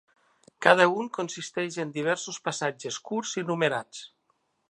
Cada un consisteix en diversos passatges curts i numerats.